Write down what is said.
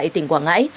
tại tỉnh quảng ngãi